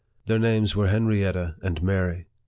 Their names were Henrietta and Mary.